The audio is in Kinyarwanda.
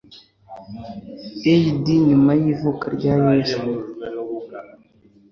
A.D nyuma y'ivuka rya Yesu